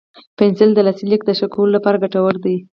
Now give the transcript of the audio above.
پنسل د لاسي لیک د ښه کولو لپاره ګټور دی.